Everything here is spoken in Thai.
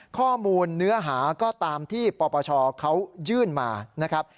เนื้อหาก็ตามที่ปปชเขายื่นมานะครับ